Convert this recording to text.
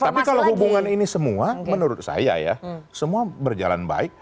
tapi kalau hubungan ini semua menurut saya ya semua berjalan baik